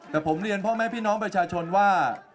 แต่ผมเรียนพ่อแม่พี่น้องประชาชนว่า